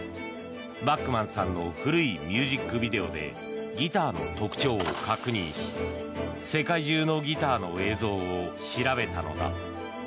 バックマンさんの古いミュージックビデオでギターの特徴を確認し世界中のギターの映像を調べたのだ。